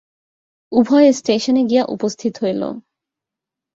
উভয়ে স্টেশনে গিয়া উপস্থিত হইল।